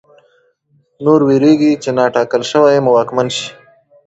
نور وېرېږي چې نا ټاکل شوی واکمن شي.